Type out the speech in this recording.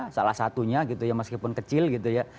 salah satunya gitu ya meskipun kecil gitu ya